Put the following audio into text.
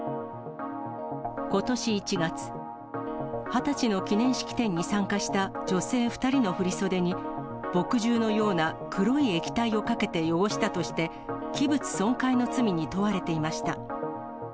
ことし１月、二十歳の記念式典に参加した女性２人の振り袖に、墨汁のような黒い液体をかけて汚したとして、器物損壊の罪に問われていました。